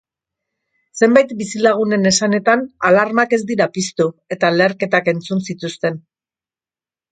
Zenbait bizilagunen esanetan, alarmak ez dira piztu eta leherketak entzun zituzten.